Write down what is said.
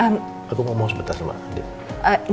ma aku mau ngomong sebentar sama din